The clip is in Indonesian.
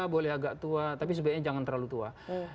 boleh agak tua tapi sebaiknya jangan terlalu tua